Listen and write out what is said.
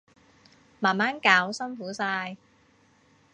慢慢搞，辛苦晒